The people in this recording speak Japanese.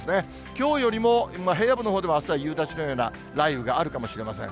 きょうよりも、平野部のほうでもあすは夕立のような雷雨があるかもしれません。